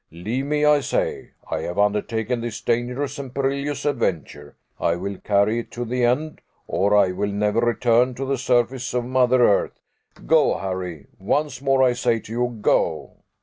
"Leave me, I say. I have undertaken this dangerous and perilous adventure. I will carry it to the end or I will never return to the surface of Mother Earth. Go, Harry once more I say to you go!"